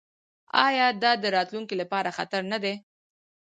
آیا دا د راتلونکي لپاره خطر نه دی؟